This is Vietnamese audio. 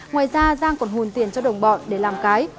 ngoài ra giang còn hùn tiền cho đồng bọn để làm cái